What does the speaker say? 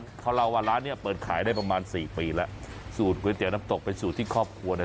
เขาเล่าว่าร้านเนี้ยเปิดขายได้ประมาณสี่ปีแล้วสูตรก๋วยเตี๋ยวน้ำตกเป็นสูตรที่ครอบครัวเนี่ย